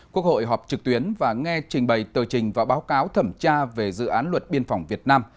quốc hội họp trực tuyến và nghe trình bày tờ trình và báo cáo thẩm tra về dự án luật biên phòng việt nam